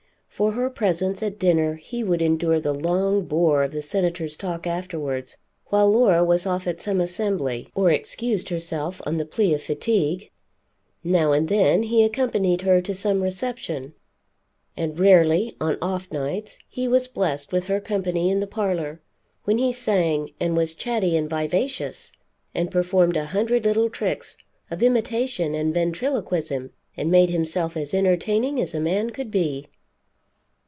For her presence at dinner he would endure the long bore of the Senator's talk afterwards, while Laura was off at some assembly, or excused herself on the plea of fatigue. Now and then he accompanied her to some reception, and rarely, on off nights, he was blessed with her company in the parlor, when he sang, and was chatty and vivacious and performed a hundred little tricks of imitation and ventriloquism, and made himself as entertaining as a man could be.